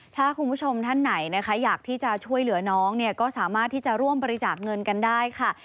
ถ้าคุณผู้ชมท่านไหนนะคะอยากที่จะช่วยเหลือน้องเนี่ยก็สามารถที่จะร่วมบริจาคเงินกันได้ค่ะ